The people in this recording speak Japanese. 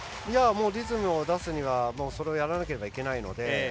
リズムを出すにはそれをやらなければいけないので。